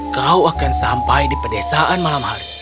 kau akan sampai di pedesaan malam hari